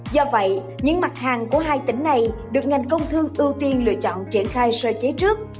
do vậy những mặt hàng của hai tỉnh này được ngành công thương ưu tiên lựa chọn triển khai sơ chế trước